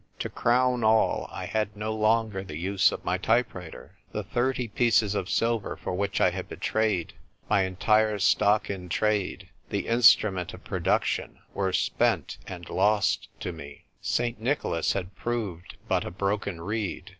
To crown all, I had no longer the use of my type writer. The thirty pieces of silver for which I had betrayed my entire stock in trade, the instrument of production, were spent and lost to me. St. Nicholas had proved but a broken reed.